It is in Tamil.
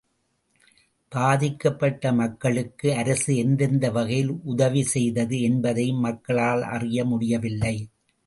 பாதிக்கப்பட்ட மக்களுக்கு அரசு எந்தெந்த வகையில் உதவி செய்தது என்பதையும் மக்களால் அறிய முடியவில்லை.